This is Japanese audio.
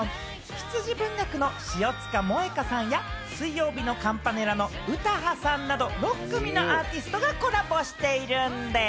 羊文学の塩塚モエカさんや、水曜日のカンパネラの詩羽さんなど６組のアーティストがコラボしているんでぃす！